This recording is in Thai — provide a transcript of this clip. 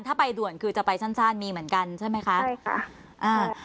ถ้าไปด่วนคือจะไปสั้นสั้นมีเหมือนกันใช่ไหมคะใช่ค่ะอ่า